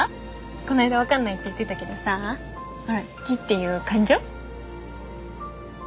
こないだ分かんないって言ってたけどさほら「好き」っていう感情？